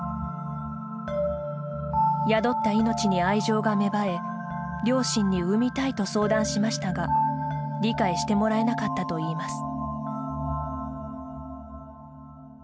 宿った命に愛情が芽生え両親に産みたいと相談しましたが理解してもらえなかったといいます。